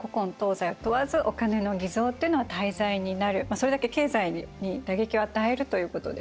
それだけ経済に打撃を与えるということですよね。